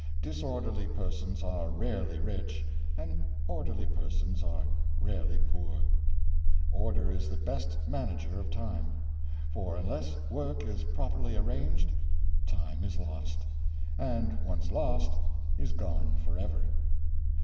Disorderly persons are rarely rich, and orderly persons are rarely poor. Order is the best manager of time ; for unless work is properly arranged, time is lost; and, once lost, is gone forever.